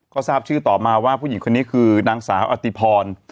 ก็ทราบชื่อต่อมาว่าผู้หญิงคนนี้คือนางสาวอติพร